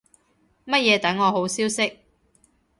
乜嘢等我好消息